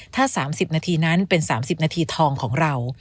ถ้า๓๐นาทีนั้นเป็น๓๐นาทีทองของเรา